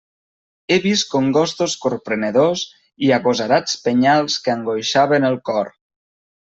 He vist congostos corprenedors i agosarats penyals que angoixaven el cor.